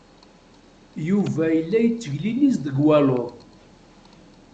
Yuba yella yettegliliz deg waluḍ.